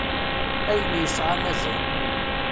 Ayen yesɛan azal.